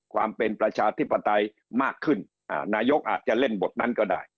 ความเป็นประชาธิปไตยมากขึ้นนายกอาจจะเล่นบทนั้นก็ได้